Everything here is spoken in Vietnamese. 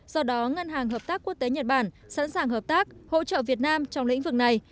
do đó ngân hàng hợp tác quốc tế nhật bản sẵn sàng hợp tác hỗ trợ việt nam trong lĩnh vực này